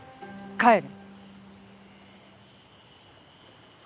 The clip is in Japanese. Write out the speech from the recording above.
帰る。